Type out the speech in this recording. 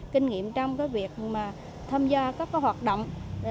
kinh nghiệm trong cái việc mà tham gia các hoạt động